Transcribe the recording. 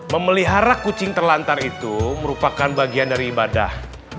memelihara kucing terlantar itu merupakan bagian dari ibadah